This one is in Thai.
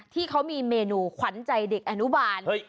ที่เขามีเมนูขวัญใจเด็กอนุบาล